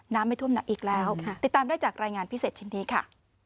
ไม่ท่วมหนักอีกแล้วติดตามได้จากรายงานพิเศษชิ้นนี้ค่ะ